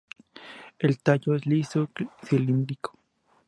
El tallo es liso, cilíndrico.